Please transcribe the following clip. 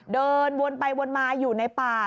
เดินวนไปวนมาอยู่ในป่า